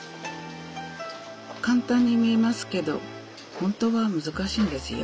簡単に見えますけどほんとは難しいんですよ。